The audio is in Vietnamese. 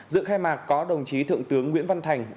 dự khai mạc có đồng chí thượng tướng nguyễn văn thành